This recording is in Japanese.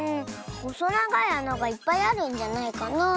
ほそながいあながいっぱいあるんじゃないかなあって。